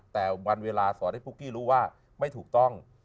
แต่วันเวลาสอนให้ปุ๊กกี้รู้ว่าไม่ถูกต้อง